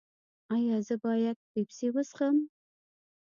ایا زه باید پیپسي وڅښم؟